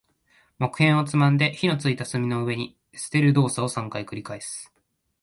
木片をつまんで、火の付いた炭の上に捨てる動作を三回繰り返す。